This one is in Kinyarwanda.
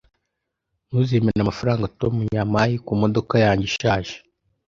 Ntuzemera amafaranga Tom yampaye kumodoka yanjye ishaje